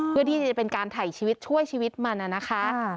เพื่อที่จะเป็นการถ่ายชีวิตช่วยชีวิตมันนะคะ